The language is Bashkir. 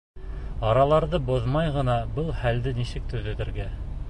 Араларҙы боҙмай ғына был хәлде нисек төҙәтергә?